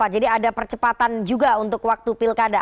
jadi ada percepatan juga untuk waktu pilkada